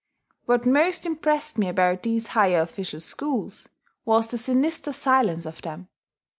What most impressed me about these higher official schools was the sinister silence of them.